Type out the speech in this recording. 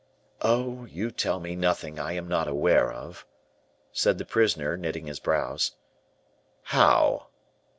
"Oh, you tell me nothing I am not aware of," said the prisoner, knitting his brows. "How?"